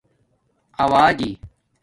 اَݸجی